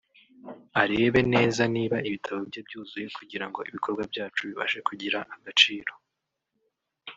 arebe neza niba ibitabo bye byuzuye kugira ngo ibikorwa byacu bibashe kugira agaciro